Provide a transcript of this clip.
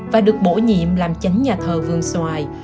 và được bổ nhiệm làm chánh nhà thờ vườn xoài